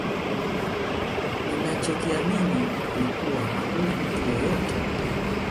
Ninacho kiamini ni kuwa hakuna mtu yeyote